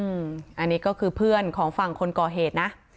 อันนี้ก็คือเพื่อนของฝั่งคนก่อเหตุนะ